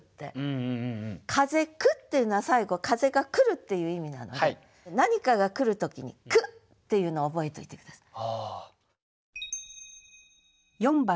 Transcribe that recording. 「風来」っていうのは最後風が来るっていう意味なので何かが来る時に「来」っていうのを覚えといて下さい。